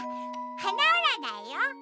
はなうらないよ。